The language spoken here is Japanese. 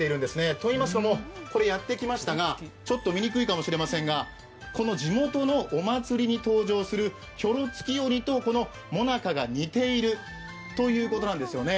といいますのも、やってきましたが見にくいかもしれませんがこの地元のお祭りに登場するひょろつき鬼とこの最中が似ているということなんですよね。